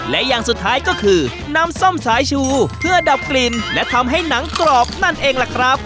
และอย่างสุดท้ายก็คือน้ำส้มสายชูเพื่อดับกลิ่นและทำให้หนังกรอบนั่นเองล่ะครับ